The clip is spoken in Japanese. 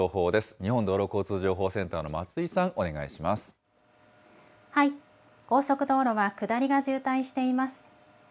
日本道路交通情報センターの松井高速道路は下りが渋滞しています。